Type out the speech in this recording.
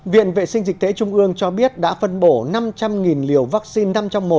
viện vệ sinh dịch tễ trung ương cho biết đã phân bổ năm trăm linh liều vaccine năm trong một